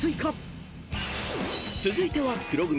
［続いては黒組。